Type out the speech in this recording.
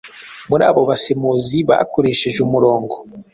Muri abo basemuzi bakoresheje umurongo